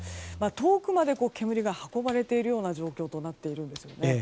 遠くまで煙が運ばれているような状況となっているんですよね。